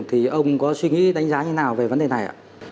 thì ông có suy nghĩ đánh giá như thế nào về vấn đề này ạ